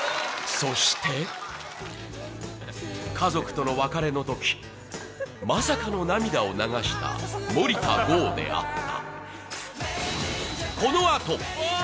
そして家族との別れのとき、まさかの涙を流した森田剛であった。